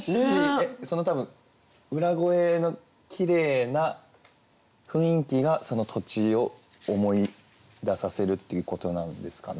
えっ多分裏声のきれいな雰囲気がその土地を思い出させるっていうことなんですかね？